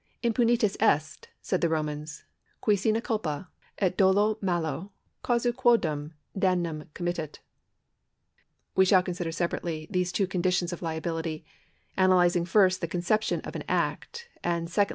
Impunitus est, said the Romans, qui sine culpa et dolo malo casu quodam damnum committit} We shall consider separately these two conditions of liability, analysing first the conception of an act, and secondly 1 Gaius, III.